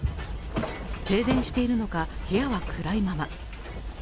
停電しているのか、部屋は暗いまま。